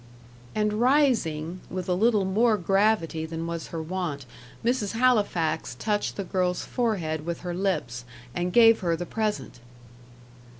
And rising, with a little more gravity than was her wont, Mrs. Halifax touched the girl's forehead with her lips, and gave her the present.